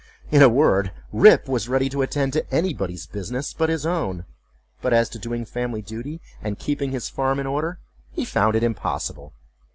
In a word Rip was ready to attend to anybody's business but his own; but as to doing family duty, and keeping his farm in order, he found it impossible.